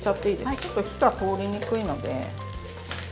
ちょっと火が通りにくいので。